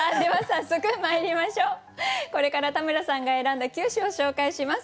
これから田村さんが選んだ９首を紹介します。